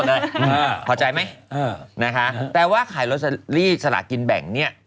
ทั้งสามคนเป็นคนขายล็อตเตอรี่ทั้งหมดเลย